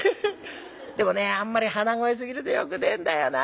でもねあんまり鼻声すぎるとよくねえんだよな。